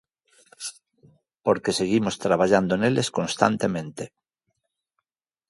Porque seguimos traballando neles constantemente.